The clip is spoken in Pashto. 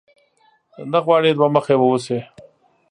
نه غواړې دوه مخی واوسې؟